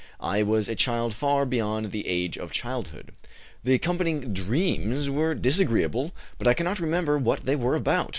I was a child far beyond the age of childhood. The accompanying dreams were disagreeable, but I cannot remember what they were about.